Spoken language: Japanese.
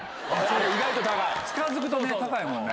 近づくと高いもんね。